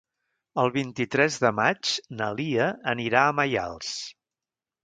El vint-i-tres de maig na Lia anirà a Maials.